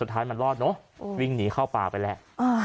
ท้ายมันรอดเนอะวิ่งหนีเข้าป่าไปแล้ว